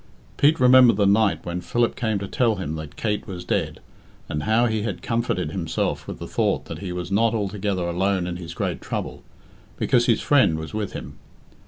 Pete remembered the night when Philip came to tell him that Kate was dead, and how he had comforted himself with the thought that he was not altogether alone in his great trouble, because his friend was with him.